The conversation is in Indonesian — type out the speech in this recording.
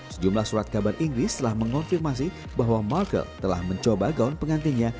sejumlah surat kabar inggris telah mengonfirmasi bahwa markle telah mencoba gaun pengantinnya